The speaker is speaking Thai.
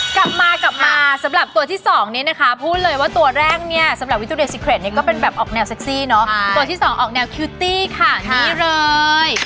กลับมากลับมาสำหรับตัวที่สองนี้นะคะพูดเลยว่าตัวแรกเนี่ยสำหรับวิตุเดซิเครดเนี่ยก็เป็นแบบออกแนวเซ็กซี่เนอะตัวที่สองออกแนวคิวตี้ค่ะนี่เลย